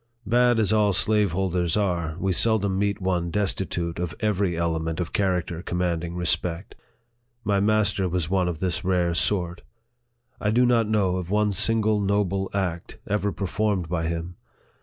Bad as all slaveholders are, we seldom meet one destitute of every element of character commanding respect. My master was one of this rare sort. I do not know of one single noble act ever performed by him.